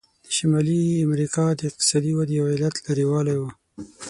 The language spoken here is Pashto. د شمالي امریکا د اقتصادي ودې یو علت لرې والی و.